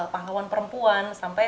pahlawan perempuan sampai